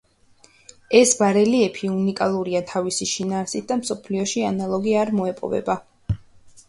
ეს ბარელიეფი უნიკალურია თავისი შინაარსით და მსოფლიოში ანალოგი არ მოეპოვება.